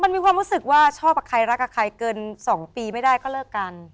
มันมีความรู้สึกว่าชอบกับใครรักกับใครเกิน๒ปีไม่ได้ก็เลิกกัน